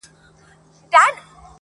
ته چې به لاړې نو به دلته په کمره کې زما